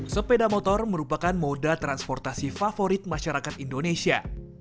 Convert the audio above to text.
sepeda motor merupakan moda transportasi favorit masyarakat indonesia